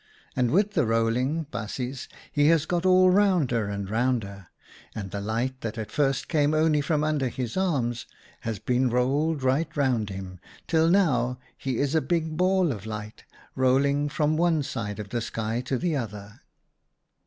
And with the rolling, baasjes, he has got all rounder and rounder, and the light that at first came only from under his arms has been rolled right round him, till now he is a big ball of light, rolling from one side of the sky to the other."